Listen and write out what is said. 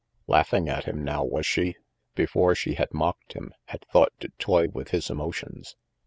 Laughing at him now, was she? Before, she had mocked him, had thought to toy with his emotions.